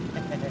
ya udah deh